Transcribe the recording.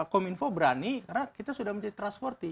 home info berani karena kita sudah menjadi trustworthy